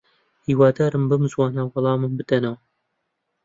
هیوادارم بەم زووانە وەڵامم بدەنەوە.